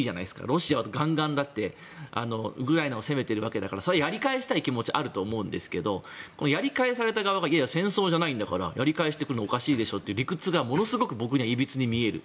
ロシアは、だってガンガンウクライナを攻めてるわけだからやり返したい気持ちはあると思うんですけどやり返された側がいや戦争じゃないんだからやり返してくるのはおかしいでしょうっていうのはものすごく僕にはいびつに見える。